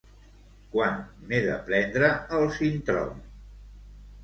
Quan m'he de prendre el Sintrom?